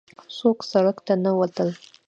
څوک سړک ته نه وتل.